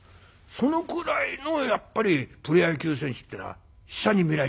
そのくらいのやっぱりプロ野球選手ってのは下に見られてた。